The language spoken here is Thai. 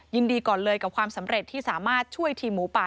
ยินดีก่อนเลยกับความสำเร็จที่สามารถช่วยทีมหมูป่า